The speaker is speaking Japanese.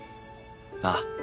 ああ。